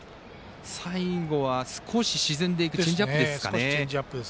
最後は、少し沈んでいくチェンジアップですかね。